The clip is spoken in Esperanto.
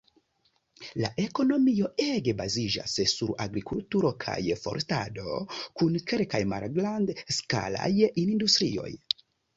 La ekonomio ege baziĝas sur agrikulturo kaj forstado, kun kelkaj malgrand-skalaj industrioj.